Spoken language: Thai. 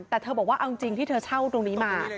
แต่เธอบอกว่าเอาจริงที่เธอเช่าตรงนี้มา